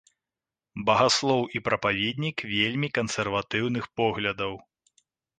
Багаслоў і прапаведнік вельмі кансерватыўных поглядаў.